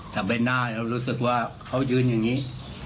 แต่ใบหน้าเรารู้สึกว่าเขายืนอย่างนี้